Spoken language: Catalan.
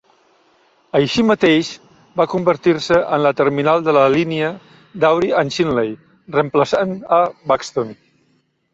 Així mateix, va convertir-se en la terminal de la línia Dauri and Chinley, reemplaçant a Buxton.